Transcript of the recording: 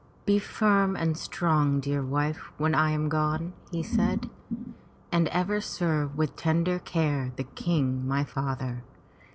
"Be firm and strong, dear wife, when I am gone,'* he said, "and ever serve with tender care the King, my father.